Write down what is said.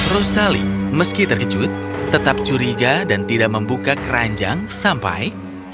rosali meski terkejut tetap curiga dan tidak membuka keranjang sampai